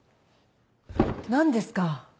何ですか？